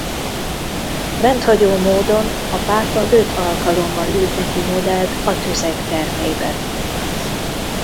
Rendhagyó módon a pápa öt alkalommal ült neki modellt a Tüzek termében.